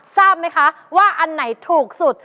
ทราบไหมคะว่าอันไหนถูกสุด